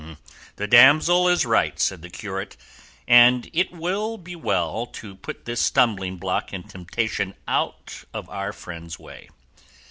"The damsel is right," said the curate, "and it will be well to put this stumbling block and temptation out of our friend's way.